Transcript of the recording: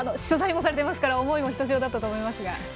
取材もされてますから思いもひとしおだったと思います。